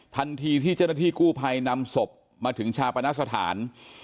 ทันทีที่เจ้าหน้าที่กู้ภัยนำศพมาถึงชาปนสถาน